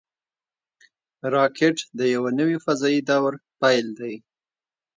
راکټ د یوه نوي فضاوي دور پیل دی